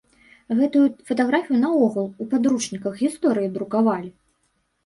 Гэтую фатаграфію наогул у падручніках гісторыі друкавалі!